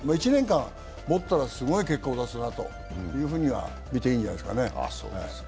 １年間もったらすごい結果を出すなというふうには見ていいんじゃないですかね。